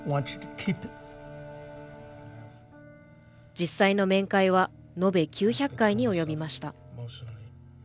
実際の面会は延べ９００回に及びました。